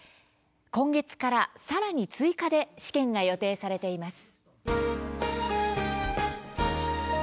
今月から、さらに追加で試験が予定されています。